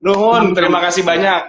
nungun terima kasih banyak